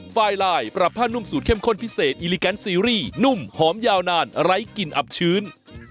ไฟลายปรับผ้านุ่มสูตรเข้มข้นพิเศษอิลิแกนซีรีส์นุ่มหอมยาวนานไร้กลิ่นอับชื้น